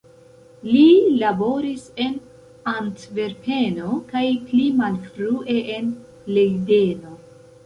Li laboris en Antverpeno kaj pli malfrue en Lejdeno.